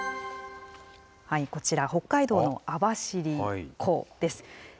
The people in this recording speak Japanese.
こちら、北海道の網走湖です。